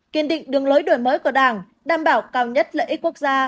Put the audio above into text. kiên định đường lối đổi mới của đảng đảm bảo cao nhất lợi ích quốc gia